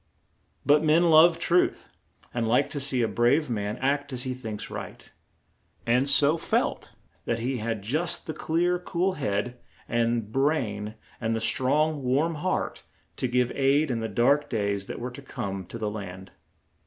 But men love truth, and like to see a brave man act as he thinks right, and so felt that he had just the clear, cool head and brain and the strong warm heart to give aid in the dark days that were to come to the land.